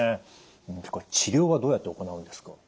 治療はどうやって行うんですか？